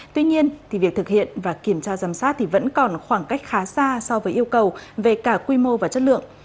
tuy nhiên thì việc thực hiện và kiểm tra giám sát thì vẫn còn khoảng cách khá xa so với yêu cầu về cả quy mô và chất lượng